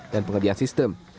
dan pengedian sistem